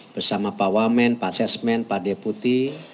bersama pak wamen pak sesmen pak deputi